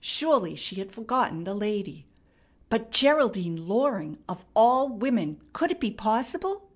Surely she had forgotten the lady. But Geraldine Loring! Of all women! Could it be possible?